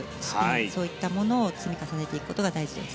そういったものを積み重ねていくことが大事です。